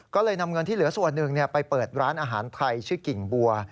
ก็เลยนำเงินที่เหลือส่วนหนึ่งไปเปิดร้านอาหารไทยชื่อกิ่งบัว